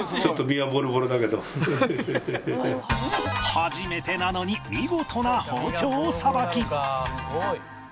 初めてなのに見事な包丁さばき